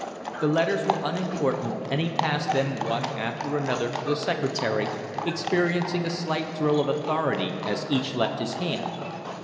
The letters were unimportant, and he passed them one after another to the secretary, experiencing a slight thrill of authority as each left his hand.